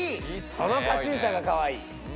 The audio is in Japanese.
このカチューシャがかわいい。